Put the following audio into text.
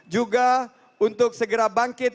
juga untuk segera bangkit